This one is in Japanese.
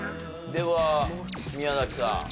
では宮崎さん。